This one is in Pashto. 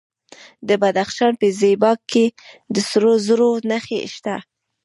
د بدخشان په زیباک کې د سرو زرو نښې شته.